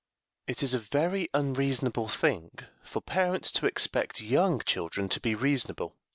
It is a very unreasonable thing for parents to expect young children to be reasonable.